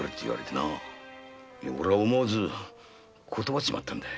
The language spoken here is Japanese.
おれは思わず断っちまったんだ。